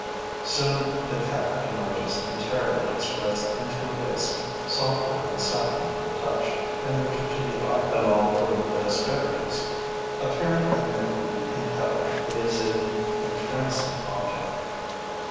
Soon, the cap emerges entirely and spreads into a disk softer than satin to the touch and richer to the eye than all the fruit of the Hesperides. Appearing amid the pink heather, it is an entrancing object.